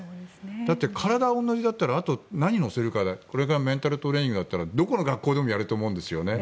だって、体が同じだったらあとは何を乗せるかでこれがメンタルトレーニングだったらどこの学校でもやると思うんですね。